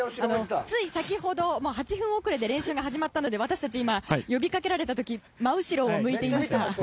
つい先ほど、８分遅れで練習が始まったので私たち今、呼びかけられた時真後ろを向いていました。